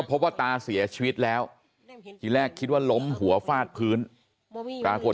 พบว่าตาเสียชีวิตแล้วทีแรกคิดว่าล้มหัวฟาดพื้นปรากฏ